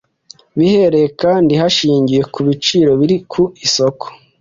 bihereye kandi hashingiwe ku biciro biri ku isoko